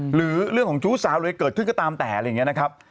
หรือเรื่องของชู้สาวเลยเกิดขึ้นก็ตามแต่อะไรอย่างนี้นะครับ